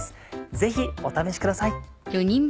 ぜひお試しください。